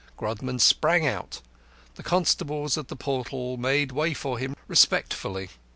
Grodman sprang out, the constables at the portal made way for him respectfully.